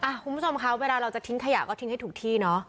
คุณผู้ชมคะเวลาเราจะทิ้งขยะก็ทิ้งให้ถูกที่เนอะ